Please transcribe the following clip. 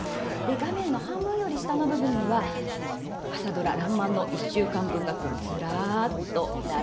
画面の半分より下の部分には朝ドラ「らんまん」の１週間分がずらっと並んでいます。